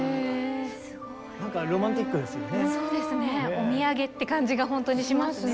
お土産って感じがほんとにしますね。